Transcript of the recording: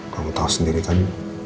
kamu tahu sendiri kan